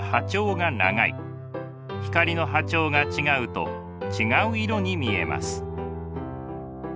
光の波長が違うと違う色に見えます。